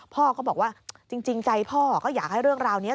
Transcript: พ่อก็บอกว่าจริงใจพ่อก็อยากให้เรื่องราวนี้